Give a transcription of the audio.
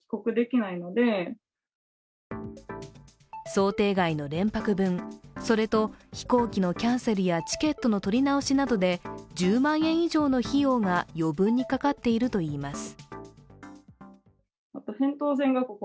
想定外の連泊分、それと飛行機のキャンセルやチケットの取り直しなどで、１０万円以上の費用が余分にかかっているといいます。